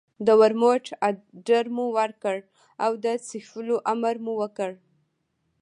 د ورموت اډر مو ورکړ او د څښلو امر مو وکړ.